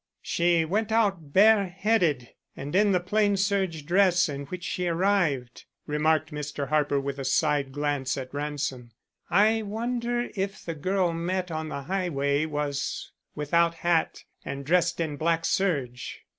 "She went out bare headed and in the plain serge dress in which she arrived," remarked Mr. Harper with a side glance at Ransom. "I wonder if the girl met on the highway was without hat and dressed in black serge."